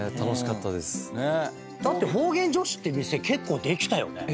だって方言女子って店結構できたよね